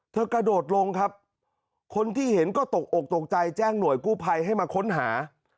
กระโดดลงครับคนที่เห็นก็ตกอกตกใจแจ้งหน่วยกู้ภัยให้มาค้นหา